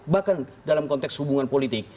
bahkan dalam konteks hubungan politik